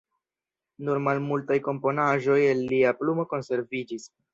Nur malmultaj komponaĵoj el lia plumo konserviĝis.